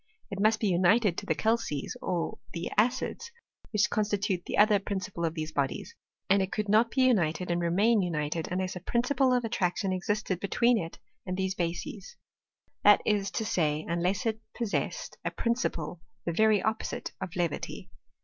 It must be united to the calces or the acids, which constitute the other principle of these bodies ; and it could not be united, and remain united, unless a principle of attraction existed between it and these bases ; that i3 to say, unless it possessed a principle the very oppo site of levity.